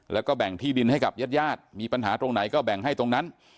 แล้วก็แบ่งที่ดินให้กับญาติญาติมีปัญหาตรงไหนก็แบ่งให้ตรงนั้น